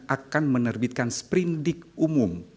akan menerbitkan sprindik umum